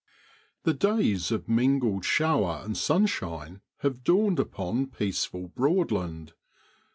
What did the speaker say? HE days of mingled shower and sunshine have dawned upon peaceful Broadland.